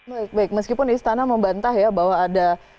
baik baik meskipun istana membantah ya bahwa ada